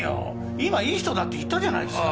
今いい人だって言ったじゃないですか。